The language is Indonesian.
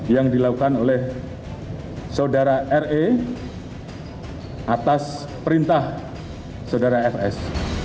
yang dilakukan oleh saudara re atas perintah saudara fs